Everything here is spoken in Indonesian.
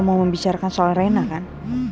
mau membicarakan soal rena kan